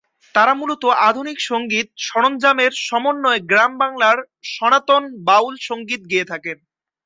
তারা মূলত আধুনিক সঙ্গীত-সরঞ্জামের সমন্বয়ে গ্রাম-বাংলার সনাতন বাউল সঙ্গীত গেয়ে থাকেন।